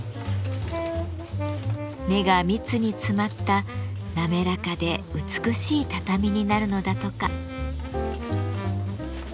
目が密に詰まった滑らかで美しい畳になるのだとか。